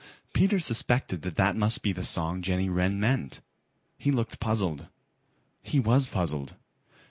Peter suspected that that must be the song Jenny Wren meant. He looked puzzled. He was puzzled.